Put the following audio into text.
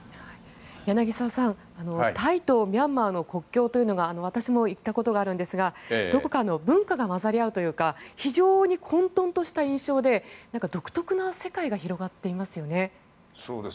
柳澤さん、タイとミャンマーの国境というのが私も行ったことがあるんですがどこか文化が混ざり合うというか非常に混とんとした印象で独特の世界が広がっていますよね。